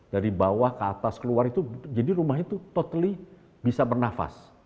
dari bawah ke atas keluar itu jadi rumah itu totally bisa bernafas